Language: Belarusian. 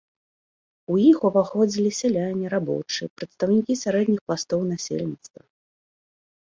У іх уваходзілі сяляне, рабочыя, прадстаўнікі сярэдніх пластоў насельніцтва.